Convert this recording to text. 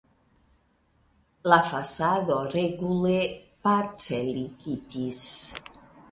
La fasado regule parceligitis.